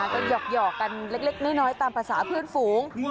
ก็หยอกกันเล็กน้อยตามภาษาเพื่อนฝูง